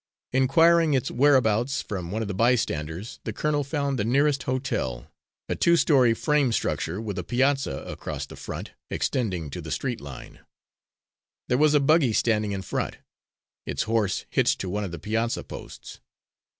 Inquiring its whereabouts from one of the bystanders, the colonel found the nearest hotel a two story frame structure, with a piazza across the front, extending to the street line. There was a buggy standing in front, its horse hitched to one of the piazza posts.